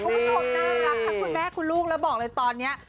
คุณผู้ชมน่ารักทั้งคุณแม่คุณลูกแล้วบอกเลยตอนนี้